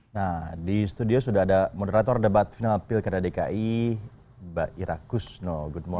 nah di studio sudah ada moderator debat final pilkara dki mbak ira kusno